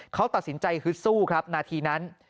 เขาตัดสินใจฮึดสู้ครับนาทีนั้น